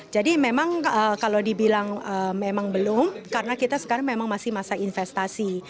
jadi memang kalau dibilang memang belum karena kita sekarang memang masih masa investasi